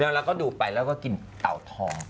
เราก็ดูไปแล้วก็กินเต่าทอง